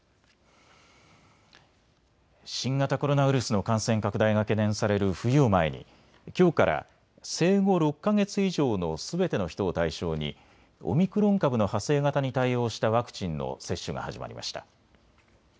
新型コロナウイルスの感染拡大が懸念される冬を前にきょうから生後６か月以上のすべての人を対象にオミクロン株の派生型に対応したワクチンの接種が始まりました。